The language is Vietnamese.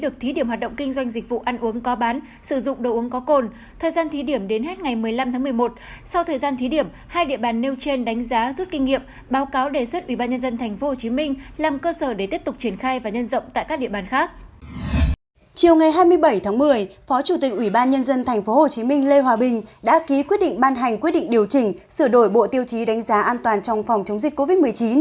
chiều ngày hai mươi bảy tháng một mươi phó chủ tịch ủy ban nhân dân tp hcm lê hòa bình đã ký quyết định ban hành quyết định điều chỉnh sửa đổi bộ tiêu chí đánh giá an toàn trong phòng chống dịch covid một mươi chín